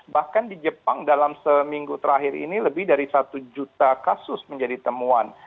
bahkan di jepang dalam seminggu terakhir ini lebih dari satu juta kasus menjadi temuan